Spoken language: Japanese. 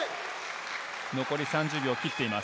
残り３０秒を切っています。